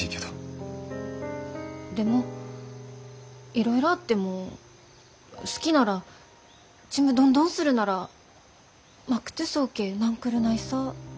でもいろいろあっても好きならちむどんどんするならまくとぅそーけーなんくるないさであるよね？